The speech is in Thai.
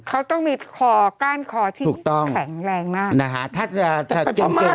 เขาต้องมีขอก้านคอที่แข็งแรงมากถูกต้องนะฮะถ้าจะเต็ม